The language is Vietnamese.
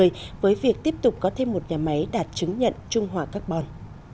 đạt chứng nhận trung hòa carbon